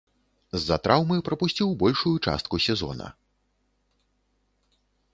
З-за траўмы прапусціў большую частку сезона.